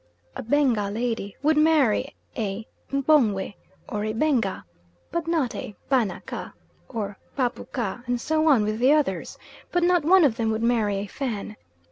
A Benga lady would marry a M'pongwe, or a Benga, but not a Banaka, or Bapuka; and so on with the others; but not one of them would marry a Fan.